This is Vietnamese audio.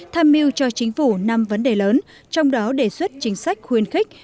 tham mưu cho chính phủ năm vấn đề lớn trong đó đề xuất chính sách khuyến khích